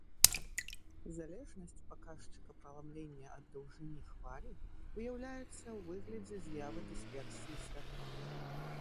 Залежнасць паказчыка праламлення ад даўжыні хвалі выяўляецца ў выглядзе з'явы дысперсіі святла.